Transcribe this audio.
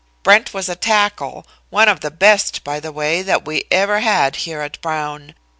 Brent was a tackle; one of the best, by the way, that we ever had here at Brown.